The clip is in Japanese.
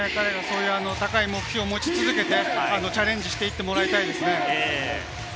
高い目標を持ち続けてチャレンジしていってもらいたいですね。